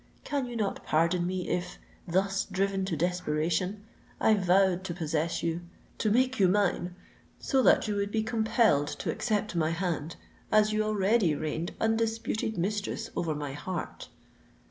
"Can you not pardon me, if—thus driven to desperation—I vowed to possess you—to make you mine—so that you would be compelled to accept my hand, as you already reigned undisputed mistress over my heart?"